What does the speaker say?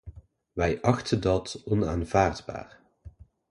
Wij achten dat onaanvaardbaar.